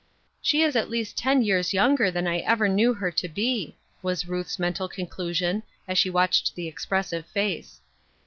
"She is at least ten years younger than I ever knew her to be," was Ruth's mental conclusion as she watched the expressive face.